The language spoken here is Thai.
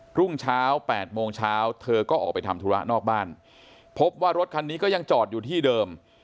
รุ่งเช้า๘โมงเช้าเธอก็ออกไปทำธุระนอกบ้านพบว่ารถคันนี้ก็ยังจอดอยู่ที่เดิม